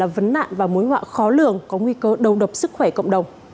vấn nạn và mối họa khó lường có nguy cơ đầu độc sức khỏe cộng đồng